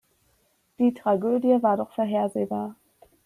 Die Tragödie war doch vorhersehbar.